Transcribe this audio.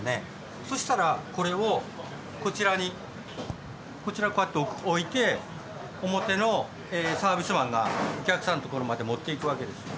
そしたらこれをこちらにこちらこうやって置いて表のサービスマンがお客さんのところまで持っていくわけですよ。